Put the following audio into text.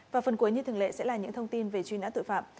và phần cuối như thường lệ sẽ là những thông tin về truy nã tội phạm